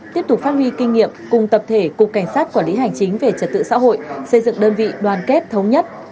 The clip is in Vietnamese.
tiếp tục phát huy kinh nghiệm cùng tập thể cục cảnh sát quản lý hành chính về trật tự xã hội xây dựng đơn vị đoàn kết thống nhất